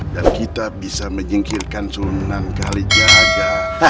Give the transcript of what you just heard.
dan kita bisa menyingkirkan sunan kalijaga